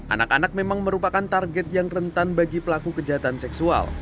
anak anak memang merupakan target yang rentan bagi pelaku kejahatan seksual